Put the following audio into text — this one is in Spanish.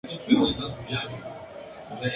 Fue una de las más importantes cantantes españolas.